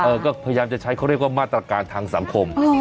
ก็พยายามจะใช้เขาเรียกว่ามาตรการทางสังคม